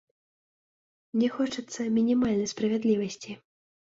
Мне хочацца мінімальнай справядлівасці.